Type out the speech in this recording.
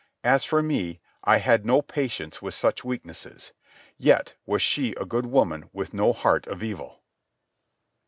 As for me, I had no patience with such weaknesses. Yet was she a good woman with no heart of evil.